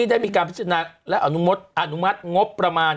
ได้มีการพิจารณาและอนุมัติงบประมาณ